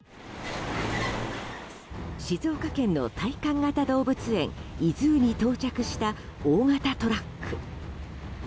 静岡県の体感型動物園ｉＺｏｏに到着した大型トラック。